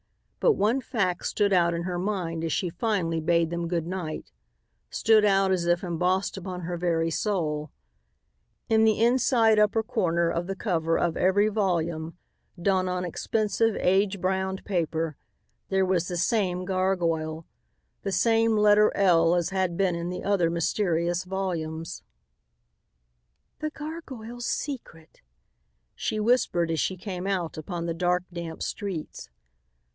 But one fact stood out in her mind as she finally bade them good night, stood out as if embossed upon her very soul: In the inside upper corner of the cover of every volume, done on expensive, age browned paper, there was the same gargoyle, the same letter L as had been in the other mysterious volumes. "The gargoyle's secret," she whispered as she came out upon the dark, damp streets.